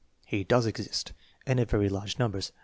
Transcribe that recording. He does exist, and in very large numbers.